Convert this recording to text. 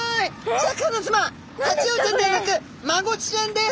シャーク香音さまタチウオちゃんではなくマゴチちゃんです。